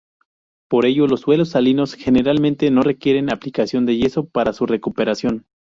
Por ello los suelos salinos generalmente no requieren aplicación de yeso para su recuperación.